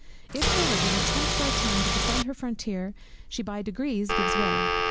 If Religion attempt for a time to defend her frontier, she by degrees gives way.